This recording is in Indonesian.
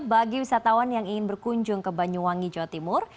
bagi wisatawan yang ingin berkunjung ke banyuwangi jawa timur